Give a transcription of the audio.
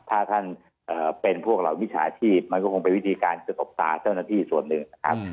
ถ้าท่านเป็นพวกเหล่ามิจฉาชีพมันก็คงเป็นวิธีการจะตบตาเจ้าหน้าที่ส่วนหนึ่งนะครับ